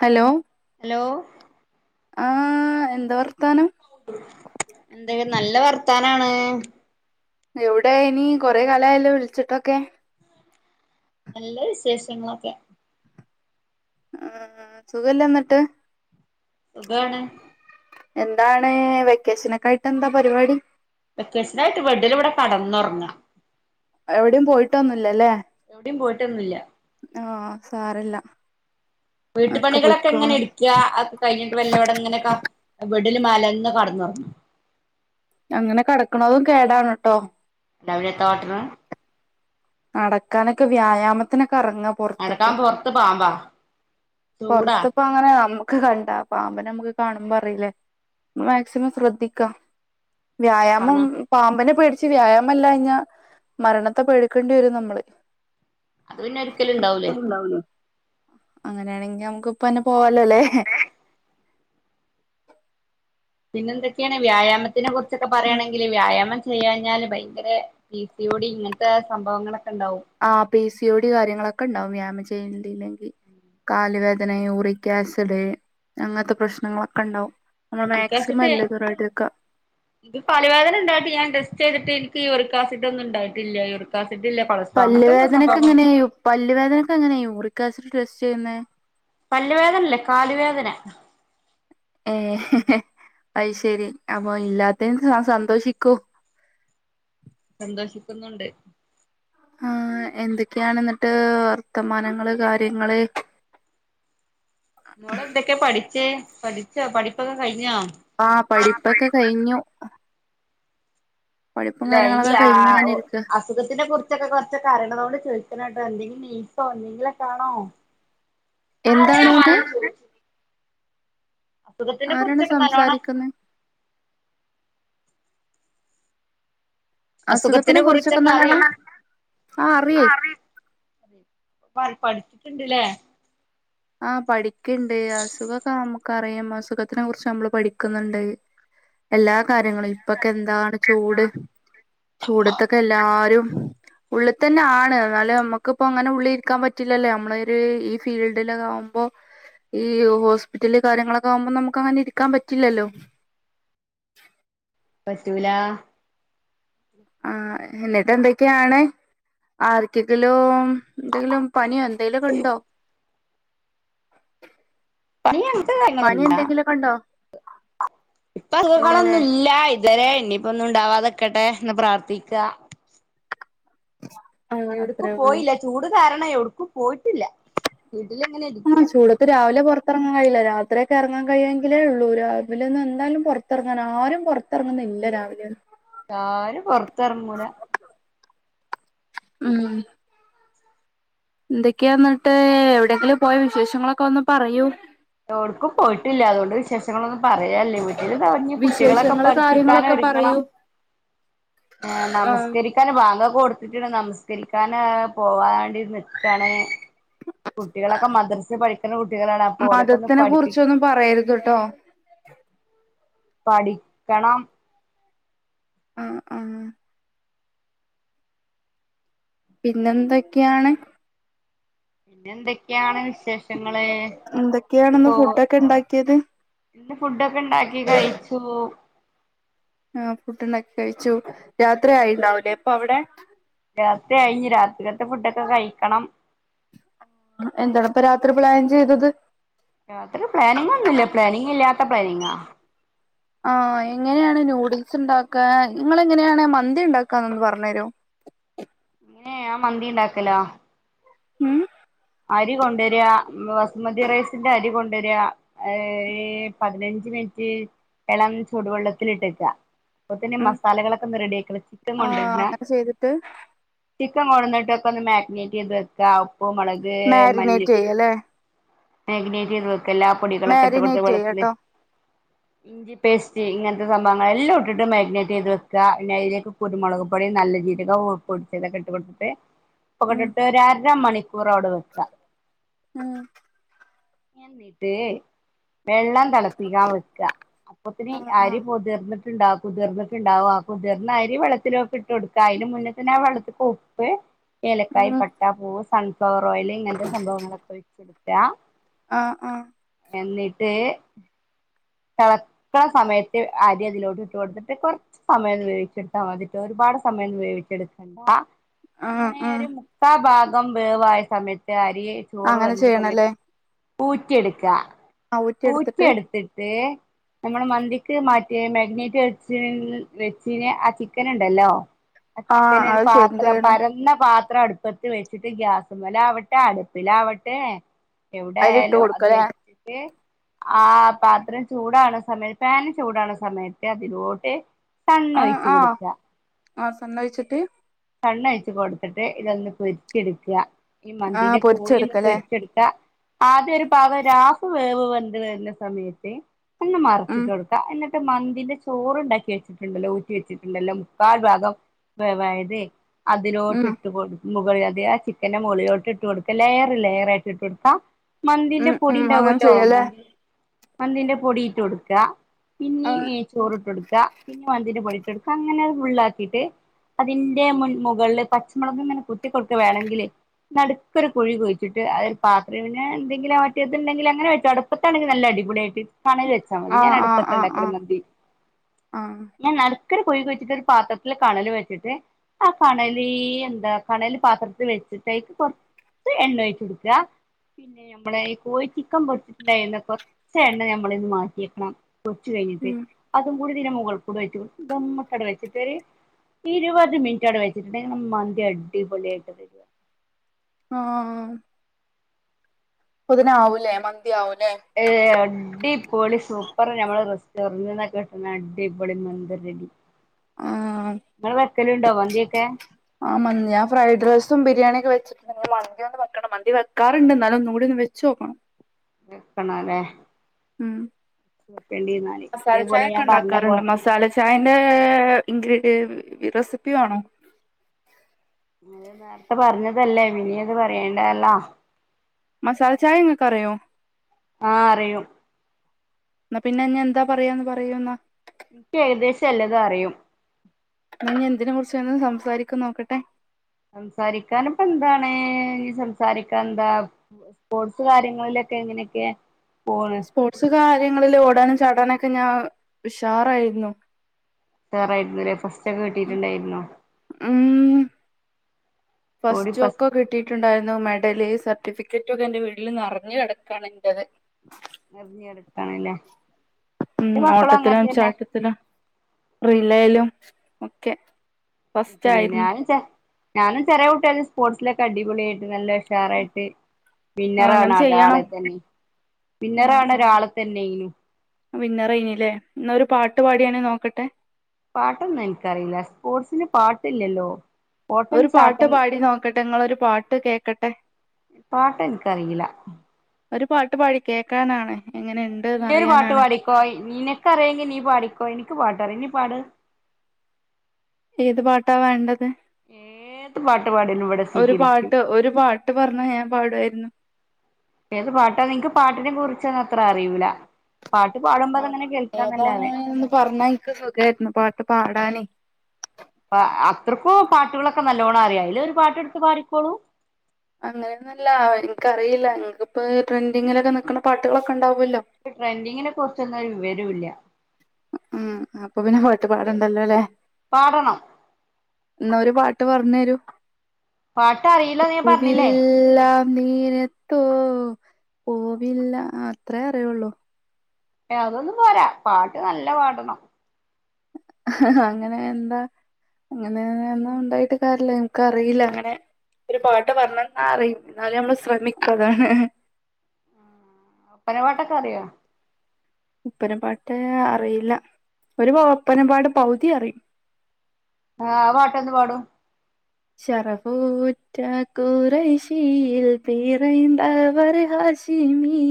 Hello hello ആഹ് എന്താ വർത്താനം? എന്തേ നല്ല വർത്താനാണ്. എവ്ടെ നി കൊറെകാലായല്ലോ വിൾച്ചിട്ടൊക്കെ. നല്ല വിശേഷങ്ങളൊക്കെ ആഹ് സുഖല്ലന്നട്ട്? സുഖാണ്. എന്താണ് വെക്കേഷനൊക്കായിട്ടെന്താ പരിവാടി? വെക്കേഷനായിട്ട് ബെഡില് ബടെ കടന്നൊർങ്ങ. എവ്ടിം പോയിട്ടൊന്നുല്ലല്ലേ. എവ്ടിം പോയിട്ടൊന്നുല്ല. ആഹ് സാരല്ല. ഒക്കെ വീട്ട്പണികളൊക്കെ ങ്ങനെ പോയിക്കോളും ട്ക്ക അത് കഴിഞ്ഞിട്ട് വെല്ലെവടെ ങ്ങനെ ക ബെഡില് മലന്ന് കടന്നൊർങ്ങ. അങ്ങനെ കടക്ക്ണതും കേടാണ് ട്ടോ. അല്ലാ പിന്നെത്താ കാട്ട്ണ്. നടക്കാനൊക്കെ വ്യായാമത്തിനൊക്കെർങ്ങ നടക്കാ പൊറ്ത്ത് പാമ്പാ ചൂടാ. അപ്പ അങ്ങനെ അമ്മക്ക് കണ്ട പാമ്പി നമക്ക് കാണുമ്പറീല്ലേ മാക്സിമം ശ്രദ്ധിക്കാ. വ്യായാമം കാണാ പാമ്പിനെ പേടിച്ച് വ്യായാമല്ലാഞ്ഞ മരണത്തെ പേടി ക്കേണ്ട്യരും നമ്മള്. അത് പിന്നെ ഒരിക്കലും ഉണ്ടാവൂലേ അത്രണ്ടാവൊള്ളൂ അങ്ങനെണെങ്കി നമക്ക് ഇപ്പെന്നെ പോവാലോല്ലേ. പിന്നെന്തെക്കെണ് വ്യായാമത്തിനെ കുറ്ച്ചൊക്കെ പറയാണെങ്കില് വ്യായാമം ചെയ്യാഞ്ഞാല് ഭയങ്കര പി സി യോടി ഇങ്ങൻത്തെ സംഭവങ്ങളൊക്കെണ്ടാവും. ആഹ് പി സി ഒ ഡി കാര്യങ്ങളൊക്കെ ണ്ടാവും വ്യായാമം ചെയ്യ ണ്ടില്ലെങ്കി കാല് വേദന യൂറി ക്കാസിഡ് അങ്ങൻത്തെ പ്രശ്നങ്ങളൊക്കെണ്ടാവും. യൂറിക്ക്യാസിഡ് ഇത് പലവേദന ണ്ടായിട്ട് ഞാൻ ടെസ്റ്റ് ചെയ്തിട്ട് ഇൻക്ക് യൂറിക്കാസിഡൊന്നും ഉണ്ടായിട്ടില്ല. യൂറിക്കാസിഡ്ല്ല പല്ലുവേദനക്കെങ്ങനെ യു പല്ലുവേദനക്കെങ്ങനെ യൂറിക്കാസിഡ് ടെസ്റ്റ് ചെയ്യുന്നെ? പല്ല് വേദനല്ല കാല് വേദന ഏഹ് അത്ശരി അപ്പൊ ഇല്ലാത്തേന് സന്തോഷിക്കു. സന്തോഷിക്കുന്നുണ്ട്. ആഹ് എന്തൊക്കെയാണ് ന്നട്ട് വർത്തമാനങ്ങള് കാര്യങ്ങള്. മോള് എന്തൊക്കെ പഠിച്ചേ, പഠിച്ചോ പഠിപ്പൊക്കെ കഴിഞ്ഞോ? ആഹ് പഠിപ്പൊക്കെ കഴിഞ്ഞു. പഠിപ്പും അല്ല ഈ കാര്യങ്ങളൊക്കെ ആ കഴിഞ്ഞു ഞാനിര്ക്ക. അസുഖത്തിനെ കുറിച്ചൊക്കെ കൊർച്ചൊക്കറിണതോണ്ട് ചോയിക്ക്ണാട്ടോ എന്തെങ്കിലും നഴ്സോ എന്തെങ്കിലൊക്കൊണോ? എന്താണോന്ന്? അസുഖത്തിനെ ആരാണ് കുറിച്ചൊക്കെ നല്ലോണം സംസാരിക്കുന്നെ? അസുഖത്തിനെ കുറിച്ചൊക്കെ ആ അറിയേ അറി [unintelligible] പാത് പഠിച്ചിട്ടുണ്ട്ല്ലേ ആഹ് പഠിക്ക്ണ്ട്, അസുഖൊക്കെ നമുക്കറിയും, അസുഖത്തിനെ കുറിച്ച് നമ്മള് പഠിക്കുന്നുണ്ട്. [inaudible] എല്ലാ കാര്യങ്ങളും. ഇപ്പൊക്കെ എന്താണ് ചൂട് ചൂടത്തൊക്കെ എല്ലാരും ഉള്ള് തന്നാണ്. എന്നാലും നമ്മക്കിപ്പം അങ്ങനെ ഉള്ളിൽ ഇരിക്കാൻ പറ്റില്ലല്ലോ നമ്മള ഒരു ഈ ഫീൽ ഡിലൊക്കെ ആവുമ്പം ഈ ഹോസ്പിറ്റല് കാര്യങ്ങളൊക്കെ ആവുമ്പം നമുക്കങ്ങനെ ഇരിക്കാൻ പറ്റില്ലല്ലോ. പറ്റൂല ആഹ് എന്നിട്ട് എന്തൊക്കെയാണ് ആർക്കെങ്കിലും എന്തെങ്കിലും പനിയോ എന്തേലൊക്കെ ണ്ടോ? പനിയാണ്. പനി എന്തെങ്കിലൊക്കെണ്ടോ? ഇപ്പ അസുകളൊന്നും ഇല്ല ഇതുവരെ ഇനിയിപ്പോ ഒന്നും ഉണ്ടാവാതക്കട്ടെ എന്ന് പ്രാർത്ഥിക്കാ. [inaudible] എവിട്ക്കും അത്രേ ഉള്ളൂ പോയില്ല ചൂട് കാരണം എവിടുക്കും പോയിട്ടില്ല വീട്ടില്ങ്ങനെ ഇരിക്കും. ആഹ് ചൂടത്ത് രാവിലെ പൊറത്തറങ്ങാൻ കഴിയില്ല രാത്രി ഒക്കെ എറങ്ങാൻ കഴിയെങ്കിലേ ഉള്ളൂ രാവിലെ ഒന്നും എന്തായാലും പൊർ ത്തറങ്ങാൻ ആരും പൊർത്തിറങ്ങുന്നില്ല രാവിലെ ഒന്നും. ആരും പൊറത്തർങ്ങൂല. ഉം എന്തൊക്കെയാ ഇന്നട്ട് എവിടെയെങ്കിലും പോയ വിശേഷങ്ങളൊക്കെ ഒന്ന് പറയൂ. എവ്ടുക്കും പോയിട്ടില്ല അതുകൊണ്ട് വിശേഷ ങ്ങളൊന്നും പറയാല്ല. വീട്ടിൽ ദാ ഞ്ഞ് കുട്ടികളൊക്കെ വിശേഷങ്ങള് കാര്യങ്ങളൊക്കെ പഠിപ്പിക്കാനൊരുങ്ങണം. പറയൂ ആഹ് നമസ്കരിക്കാന് വാങ്കൊക്കെ കൊടുത്തിട്ട്ണ്ട് നമസ്കരിക്കാനാ പോവാൻണ്ടി നിക്കാണ്. കുട്ടികളൊക്കെ മദ്രസി പഠിക്ക്ണ കുട്ടികളാണ്. അപ്പോലെ ത്തിനെ കുറിച്ചൊന്നും പറയരുത് ട്ടോ. പഠിക്കണം. ആഹ് ആഹ് പിന്നെന്തൊക്കെയാണ്? പിന്നെന്തൊക്കെയാണ് വിശേ എന്തൊക്കെയാണ് ന്ന് ഫുഡൊക്കെ ണ്ടാക്കിയത്? പിന്നെ ഫുഡൊക്കെ ഇണ്ടാക്കി കഴിച്ചു. ആഹ് ഫുഡ്ണ്ടാക്കി കഴിച്ചു. രാത്രി ആയിണ്ടാവൂലേ ഇപ്പവിടെ. രാത്രി ആയി ഇഞ് രാത്രിക്കത്തെ ഫുഡൊക്കെ കഴിക്കണം. എന്താണ് ഇപ്പൊ രാത്രി പ്ലാൻ ചെയ്തത് യാത്ര പ്ലാനിങ്ങ ഒന്നുംല്ലേ പ്ലാനിങ്ങ ഇല്ലാത്ത പ്ലാനിങ്ങാ ആ എങ്ങനെയാണ് നൂഡിൽസ് ഉണ്ടാക്കാ നിങ്ങ എങ്ങനെയാണ് മന്തി ഉണ്ടാക്കാ എന്നൊന്ന് പറഞ്ഞു തരോ ഏ ആ മന്തി ണ്ടാക്കലോ ഉം അരി കൊണ്ടുവരിക ബസുമതി റൈസിന്റെ അരി കൊണ്ടുവരിക ഏ പതിനഞ്ച് മിനിറ്റ് ഇളം ചൂടുവെള്ളത്തിലിട്ടക്ക അപ്പത്തന്നെ ഉം മസാലകളൊക്കെ ഒന്ന് റെഡി ആക്കുള്ള ചിക്കൻ ആഹ് കൊണ്ടരുന്ന അങ്ങനെ ചെയ്തിട്ട് ചിക്കൻ കൊടന്നിട്ടൊക്കെ ഒന്ന് മാഗ്നേറ്റ് ചെയ്ത് വെക്ക ഉപ്പു മുളക് മാരിനേറ്റ് ചെയ്യ ല്ലേ മഗ്നേറ്റ് ചെയ്ത് വെക്ക എല്ലാ പൊടികളൊക്കെട്ട് കൊടുത്ത മാരിനേറ്റ് വെള്ളത്തില് ചെയ്യാട്ടോ പേസ്റ്റ് ഇങ്ങനത്തെ സംഭവങ്ങളൾെല്ലാം ഇട്ടിട്ട് മാഗ്നേറ്റ് ചെയ്ത് വെക്ക പിന്നെ അതിലേക്ക് കുരുമുളക് പൊടി നല്ല ജീരകം ഉപ് പുട്ട് തൊക്കെ ഇട്ട് കൊട്ത്തിട്ട് ഉപ്പൊക്കെട്ടിട്ട് ഒരരമണിക്കൂറോടെ വെക്ക ആഹ് എന്നിട്ട് വെള്ളം തിളപ്പിക്കാ വെക്ക അപ്പത്തിന് ആഹ് ആഹ് അരി പൊതിർന്നിട്ട് ണ്ടാവ കുതിർന്നിട്ട് ണ്ടാവും ആ കുതിർന്ന അരി വെള്ളത്തിലൊട്ട് ഇട്ട് കൊടുക്ക അയ്ന് മുന്നേ തന്നെ ആ വെള്ളത്തിക്ക് ഉപ്പ് ഏലക്കായ ഉം പട്ടാപ്പൂവ് സൺഫ്ലവർ ഓയിൽ ഇങ്ങനത്തെ സംഭവങ്ങളൊക്കെ ഒഴിച്ചൊട്ക്കാ ആഹ് ആഹ് എന്നിട്ട് തളക്കണ സമയത്ത് അരി അതിലോട്ട് ഇട്ട് കൊടുത്തിട്ട് കുറ സമയം വേവിച്ചെടുത്താൽ മതിട്ട ഒരുപാട് സമയന്നും വേവിച്ചെടുക്കണ്ട ആഹ് അങ്ങനെ ആഹ് ഒരു മുക്കാ ഭാഗം വേവായ സമയത്ത് അരിയ ചോറ് അങ്ങനെ വന്ത സമയത്ത് ചെയ്യണല്ലേ ഊറ്റിയെടുക്കാ ഊറ്റിയെടുത്തിട്ട് നമ്മൾ മന്തിക്ക് മാറ്റിയ മാഗ്നേറ്റ് വ വെച്ചിന് ആ ചിക്കൻ ണ്ടല്ലോ [inaudible] ആ ചിക്കൻ ഒരു അത് ചെയ്ത് പാത്രം ചെയ്യണം പരന്ന പാത്ര ത്ര അടുപ്പത്ത് വെച്ചിട്ട് ഗ്യാസ മല ആവട്ടെ അടുപ്പിലാവട്ടെ എവിടെ അതിലിട്ട് ആയാലും അത് കൊടുക്കല്ലേ വെച്ചിട്ട് ആ പാത് ത്രം ചൂടാണ സമയത്ത് പാന് ചൂടാണ സമയത്ത് അതിലോട്ട് സണ്ണ് ആ ഒഴിച്ചു ആ കൊടുക്ക ആ സണ് ഒഴിച്ചിട്ട് സണ്ണോഴിച്ച് കൊടുത്തിട്ട് ഇതൊന്ന് പെരിച്ചെടുക്ക ഈ ആഹ് മന്തിടെ കോഴി ഒന്ന് പൊരിച്ചെടുക്കല്ലേ പെരിച്ച്ട് ക്ക ആദ്യ ഒര് പാകം ഒരാഫ് വേവ് വെന്ത് വര്ണ സമയത്ത് ഒന്ന് ഉം മർച്ചിട്ട് കൊടുക്ക എന്നിട്ട് ന്നിട്ട് മന്തിന്റെ ചോറുണ്ടാക്കി വെച്ചിട്ടുണ്ടല്ലോ ഊറ്റി വെച്ചിട്ടുണ്ടല്ലോ മുക്കാൽ ഭാഗം വേവായത് അതിലോട്ട് ഉം ഇട്ട് കൊട്ക മുകൾ അത് ആ ചിക്കന്റെ മുകളിലോട്ട് ഇട്ട് കൊടുക്ക ലെയർ ലെയർ ആയിട്ട് ഇട്ട് കൊട്ക്ക മന്തിന്റെ ഉം പൊടി ഉം അങ്ങനെ ഉണ്ടാവല്ലോ ചെയ്യല്ലേ മന്തി മന്തിന്റെ പൊടിയിട്ട് കൊടുക്ക പിന്നീ ആഹ് ചോറിട്ട് എടുക്ക പിന്നെ മന്തിന്റെ പൊടി ഇട്ട് കൊട്ക്ക അങ്ങനെ ഫുള്ളാക്കിയിട്ട് അതിന്റെ ന്റെ മുൻ മുകളില് പച്ചമുളക് ങ്ങനെ കുത്തി കൊടുക്ക വേണങ്കില് നടുക്ക് ഒരു കുഴി കുഴിച്ചിട്ട് അതിൽ പാത്രഞാ എന്തെങ്കിലും മറ്റേത് ണ്ടെങ്കിൽ അങ്ങനെ വെച്ച മതി അപ്പത്താണങ്കിൽ നല്ല അടിപൊളിയായിട്ട് കണല് വെച്ചാ മതി ഞാൻ ആഹ് ആഹ് അടുപ്പത്ത ആഹ് ണ്ടാക്കല് ആഹ് മന്തി ആഹ് ഞാൻ നടുക്കരു കുഴി കഴിച്ചിട്ട് ഒരു പാത്രത്തില് കണല് വെച്ചിട്ട് ആ കണല് എന്താ കണല് പാത്രത്തില് വെച്ചിട്ട് അയ്ക്ക് കൊർച് ച്ച് എണ്ണോയ്ച്ച്ട്ക്ക പിന്നെ ഞമ്മളെ ഈ കോയി ചിക്കൻ പൊരിച്ചിട്ടുണ്ടായിരുന്ന കൊറച്ചെണ്ണ നമ്മളയിന്ന് മാറ്റിവെക്കണം പൊര്ച് കഴിഞ്ഞിട്ട് ഉം അതും കൂടി ഇതിന്റെമുകൾകൂടെഴിച്ച് ദം ട്ട് വെച്ചിട് ഒരു ഇരുപത് മിനി കുറ്റാട് വെച്ച് ട്ടുണ്ടെങ്കി മന്തി അടിപൊളിയായിട്ട് വെരും. ആഹ്‌ പ്പത്തിനാവൂലേ മന്തിയാവുല്ലേ ഏഹ് അടിപൊളി സൂപ്പർ ഞമ്മള് റെസ്റ്റോറന്റ്ന്നൊക്കെ കിട്ടുന്ന അടിപൊളി മന്തിറെടി. ആഹ് ങ്ങള് വെക്കലുണ്ടോ മന്തിിക്കെ ആഹ്‌ മന്ദ ഞാൻ ഫ്രൈഡ് റൈസും ബിരിയാണിയൊക്കെ വെച് [unintelligible] മന്തിയൊന്ന് വെക്കണം മന്തി വെക്കാറുണ്ട് ന്നാലും ഒന്നുകൂടിഒന്ന് വെച്ചോക്കണം വെക്കണല്ലേ ഉം [unintelligible] മസാല ഇതേപോലെ ചായ ഒക്കെ ഞാൻ പറഞ്ഞപ്പോ ഉണ്ടാക്കാറുണ്ട് മസാല ചായൻ്റെ ഇൻഗ്രീഡിയൻ റെസിപ്പി വേണോ? അത് നേരത്തെ പറഞ്ഞതല്ലേ പിന്നിം അത് പറയേണ്ടല്ലോ? മസാല ചായങ്ങക്കറിയോ? ആഹ്‌ അറിയും ഇന്നാ പിന്നെ ഞ്ഞിഎന്താ പറയാന്ന് പറയ്ന്നാ എനിക്ക് ഏകദേശം എല്ലതും അറിയും. ന്നാഞ്ഞി എന്തിനെ കുറിചാണ് സംസാരിക്ക നോക്കട്ടെ സംസാരിക്കാന്പ്പെന്താണ് ഇഞ്ഞി സംസാരിക്കാൻന്താ... സ്പോർട്സ് കാര്യങ്ങളിലൊക്കെ എങ്ങനെയൊക്കെ പോ സ്പോർട്സ് കാര്യങ്ങളില് ഓടാനും ചാടാനൊക്കെ ഞാൻ ഉഷാറായിരുന്നു. ഉഷാറായിരുന്നു ല്ലേ ഫസ്റ്റ് ഒക്കെ കിട്ടിട്ടുണ്ടായിുയിരുന്നു ഉം ഓടി ഫസ്റ്റ് ഫസ്റ്റൊക്കെ കിട്ടി ട്ടുണ്ടായിരുന്നു മെഡല് സർട്ടിഫിക്കറ്റൊക്കെ എന്റെ വീട്ടില് നറഞ്ഞു കടക്കാണ് എൻറത് എറിഞ്ഞെടുക്കാണല്ലേ ഉം എന്റെ മക്കളും അങ്ങനെ ഓട്ടത്തിലും തന്നെ ചാട്ടത്തിലും റിലേലും ഒക്കെ ഫസ്റ്റ് [unintelligible] ആയിരുന്നു ഞാനൊക്കെ ഞാനും ചെറിയ കുട്ട്ടിയായപ്പോ സ്പോർട്സിലൊക്കെ അടിപൊളിയായിട്ട് നല്ല ഉഷാറായിട്ട് ആ വിന്നറാണെ അങ്ങനെ അത്‌ ചെയ്യണം അളെ തന്നെ വിന്നറാണ് രാളെ തന്നെനു വിന്നറെയ്നി ല്ലേ എന്നാ ഒരു പാട്ട് പാടിയാണി നോക്കട്ടെ പാട്ടൊന്നും ഇനിക്കറിയില്ല സ്പോർട്സിന് പാട്ടില്ലല്ലോ ഓട്ടം ഒരു പാട്ട് ചാട്ടം പാടി നോക്കട്ടെ നിങ്ങളൊരു പാട്ട് കേക്കട്ടെ പാട്ട് എനിക്കറില്ല ഒരു പാട്ട് പാടി കേക്കാനാാണ് എങ്ങനെ നീയൊരു പാട്ട് പാടിക്കോ നീനക്കറിയോങ്കി നീ പാടിക്കോ എനിക്ക് പാടറി നീ പാട് ഏത് പാട്ടാ വേണ്ടത് ഏത് പാട്ട് പാടിയാലും ഇവിടെ ഒരു സ്വീകരിക്കും പാട്ട് ഒരു പാ പാട്ട് പറഞ്ഞ ഞാൻ പാടുായിരുന്നു ഏത് പാട്ടാ ൻക്ക് പാട്ടിനെ കുറിച്ചൊന്നും അത്ര അറിയൂല പാട്ട് പാടുമ്പോ അതങ്ങനെ കേൾക്കാന്നല്ലാതെ ന്ന് പറഞ്ഞ ൻ ൻക് സുഖായിരുന്നു പാട്ട് പാടാനേ അപ്പ അത്രക്കു പാട്ടുകളൊക്കെ നല്ലോണ്ണം അറിയാം അയ്ല്ലൊരു പാട്ടെടുത്ത് പാടിക്കോളൂ അങ്ങനെയൊന്നല്ല ഇൻക്കറിയില്ല നിങ്ങക്ക്പ്പ ട്രെൻഡിങ്ങിലൊക്കെ നിക്കുന്ന പാട്ടുകളൊക്കെ ഉണ്ടാവല്ലോ ട്രൻഡിങ്ങിനെ കുറിച്ചൊന്നൊരു വിവരോല്ല ഉം അപ്പൊ പിന്നെ പാട്ട്പാടുണ്ടല്ലോ ല്ലേ പാടണം ന്നാ ഒരു പാട്ട് പറഞ്ഞേരൂ പാട്ട് അറില്ല ന്ന് ഞാൻ പറഞ്ഞില്ലേ എല്ലാം നീനത്തൊ പോവില്ല അത്രേ അറിയൊള്ളൂ ഏഹ് അതൊന്നും പോരാ പാട്ട് നല്ല പാടണം അങ്ങനെ എന്താ അങ്ങനെന്നാ ഉണ്ടായിട്ട് കാരില്ല എനക്ക് അറിയില്ല അങ്ങനെ ഒരു പാട്ട് പറഞ്ഞണം എന്ന അറും എന്നാലും നമ്മള് ശ്രമിക്കതാണ് പ്പനവാട്ടൊക്കെറിയോ ഉപ്പനപാട്ട അറിയില്ല ഒരു ഉപ്പനമ്പാട് പൗതി അറും ആഹ് പാട്ട എന്ത് പാടും ശറഫുറ്റ കുറശീയിൽ പിറയ്ന്തവർ ഹാഷിം ചമീ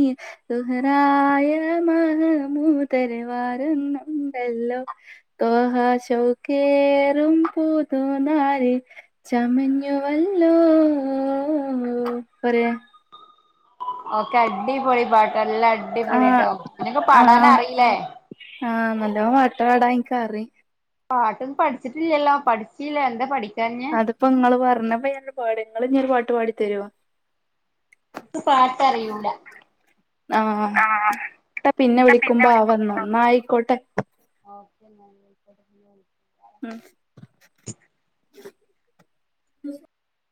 സുഹറായ മഹ്മൂതര് വരുന്നുണ്ടല്ലോ തഹ ശൗകറം പുൂതു നരി ചമഞ്ഞുവല്ലോ പോരെ ഓക്കെ അടിപൊളി പാട്ടോ എല്ലാ അടിപൊളിട്ടോ എനക്ക്പാടാന അറില്ലേ ആഹ് നല്ലോം പാട്ട് പാട ൻ കറി പാട്ടൊന്നും പഠിച്ചിട്ടില്ലല്ലോ പഠിച്ചിില്ല എന്താ പഠിക്ക അതിപ്പോ നിങ്ങള് പറഞ്ഞപ്പ ഞ പാടങ്ങ ഇങ്ങരു പാട്ട് പാടിത്തരുവാ ൻക്ക് പാട്ട അറിയൂല ആഹ് ട്ട പിന്നെ വിളിക്കുമ്പോ ആ വന്ന ന്ന ആയിക്കോട്ടെ ആ ഓക്കെ എന്നാ ഉം